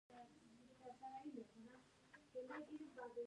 کندهار ولایت لرغونی تاریخ لري.